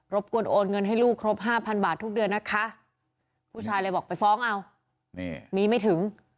กวนโอนเงินให้ลูกครบห้าพันบาททุกเดือนนะคะผู้ชายเลยบอกไปฟ้องเอานี่มีไม่ถึง